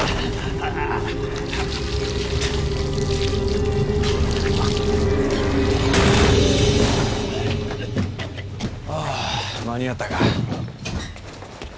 ああ間に合ったか。